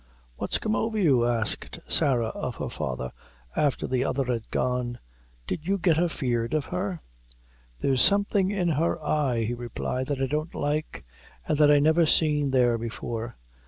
"What's come over you?" asked Sarah of her father, after the other had gone. "Did you get afeard of her?" "There's something in her eye," he replied, "that I don't like, and that I never seen there before."